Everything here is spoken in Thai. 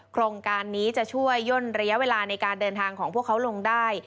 โครงการนี้จะช่วยย่นระยะเวลาในการเดินทางของพวกเขาลงได้